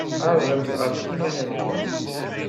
Ḥarbemt ɣef yiman-nkent.